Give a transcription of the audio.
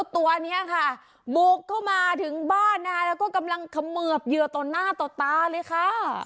ตัวนี้ค่ะบุกเข้ามาถึงบ้านนะคะแล้วก็กำลังเขมือบเหยื่อต่อหน้าต่อตาเลยค่ะ